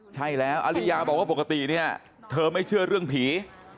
ใช่แล้วอริยาบอกว่าปกติเนี่ยเธอไม่เชื่อเรื่องผี